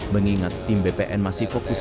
mengingat tim bpn masih fokus